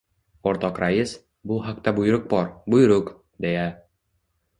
— O’rtoq rais, bu haqda buyruq bor, buyruq! — deya